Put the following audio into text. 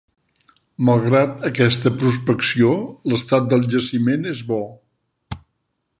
Malgrat aquesta prospecció, l'estat del jaciment és bo.